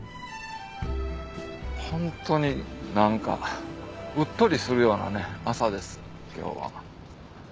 ホントに何かうっとりするようなね朝です今日は。